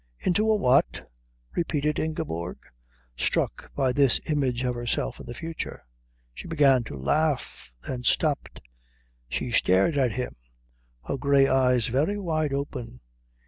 "Into a what?" repeated Ingeborg, struck by this image of herself in the future. She began to laugh, then stopped. She stared at him, her grey eyes very wide open.